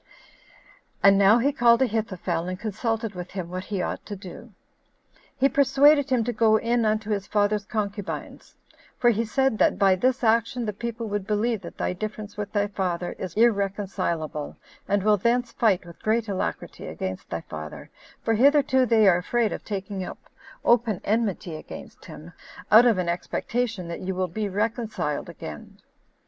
And now he called Ahithophel, and consulted with him what he ought to do: he persuaded him to go in unto his father's concubines; for he said that "by this action the people would believe that thy difference with thy father is irreconcilable, and will thence fight with great alacrity against thy father, for hitherto they are afraid of taking up open enmity against him, out of an expectation that you will be reconciled again."